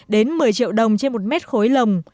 đến một mươi triệu đồng trên một mét khối lồng